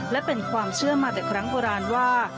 และเป็นความเชื่อมาแต่ครั้งโบราณว่า